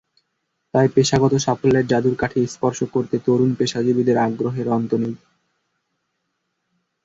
তাই পেশাগত সাফল্যের জাদুর কাঠি স্পর্শ করতে তরুণ পেশাজীবীদের আগ্রহের অন্ত নেই।